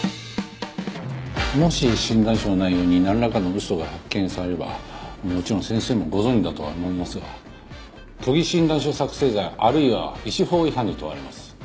もし診断書の内容になんらかの嘘が発見されればもちろん先生もご存じだとは思いますが虚偽診断書作成罪あるいは医師法違反に問われます。